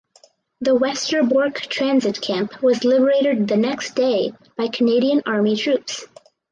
The Westerbork transit camp was liberated the next day by Canadian Army troops.